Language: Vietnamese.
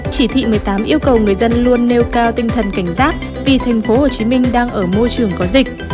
chỉ thị một mươi tám yêu cầu người dân luôn nêu cao tinh thần cảnh giác vì thành phố hồ chí minh đang ở môi trường có dịch